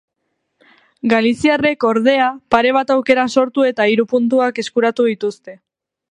Galiziarrek, ordea, pare bat aukera sortu eta hiru puntuak eskuratu dituzte.